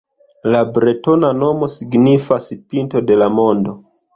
La bretona nomo signifas “pinto de la mondo”.